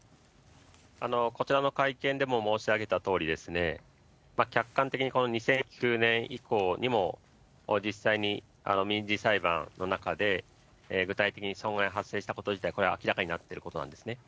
こちらの会見でも申し上げたとおり、客観的にこの２００９年以降にも実際に民事裁判の中で、具体的に損害発生したこと自体、これは明らかになっていることなんですね。